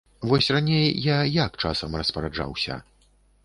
Вось раней я як часам распараджаўся?